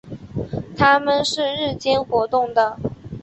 它们是日间活动的。